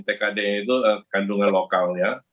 tkd itu kandungan lokal ya